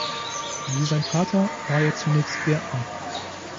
Wie sein Vater war er zunächst Gärtner.